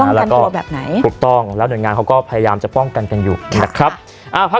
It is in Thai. แล้วก็แบบไหนถูกต้องแล้วหน่วยงานเขาก็พยายามจะป้องกันกันอยู่นะครับ